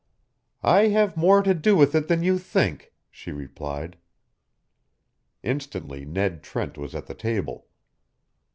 "I have more to do with it than you think," she replied. Instantly Ned Trent was at the table.